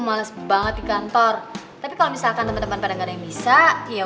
males banget di kantor tapi kalau misalkan teman teman pada nggak ada yang bisa ya